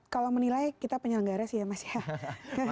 kalau menilai kita penyelenggara sih ya mas ya